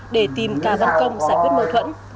để tìm cà văn công giải quyết mâu thuẫn